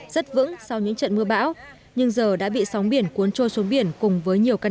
rất vững sau những trận mưa bão nhưng giờ đã bị sóng biển cuốn trôi xuống biển cùng với nhiều căn